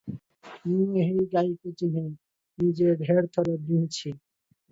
ମୁଁ ଏହି ଗାଈକୁ ଚିହ୍ନେ, ନିଜେ ଢ଼େର ଥର ଦୁହିଁଛି ।